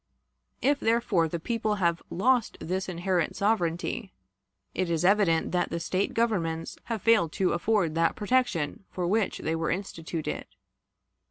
If, therefore, the people have lost this inherent sovereignty, it is evident that the State governments have failed to afford that protection for which they were instituted.